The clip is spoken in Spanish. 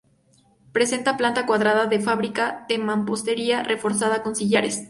Presenta planta cuadrada, de fábrica de mampostería, reforzada con sillares.